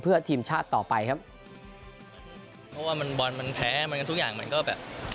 เพื่อทีมชาติต่อไปครับเพราะว่ามันบอลมันแพ้มันก็ทุกอย่างมันก็แบบ